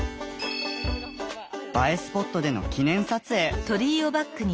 映えスポットでの記念撮影！